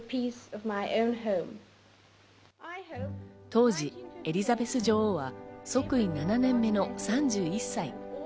当時、エリザベス女王は即位７年目の３１歳。